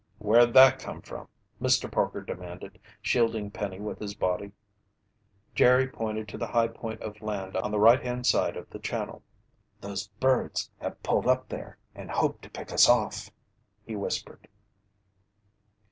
"Where'd that come from?" Mr. Parker demanded, shielding Penny with his body. Jerry pointed to the high point of land on the right hand side of the channel. "Those birds must have pulled up there and hope to pick us off!" he whispered.